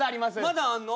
まだあんの？